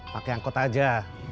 pake angkut aja